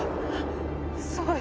そうよ